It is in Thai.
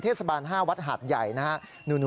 เทศบาล๕วัดหาดใหญ่นะฮะ